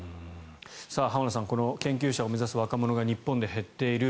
浜田さん研究者を目指す若者が日本で減っている。